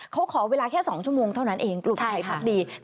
เขาขอเวลาแค่๒ชั่วโมงเท่านั้นเองกลุ่มไทยพักดี